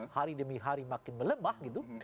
hari demi hari makin melemah gitu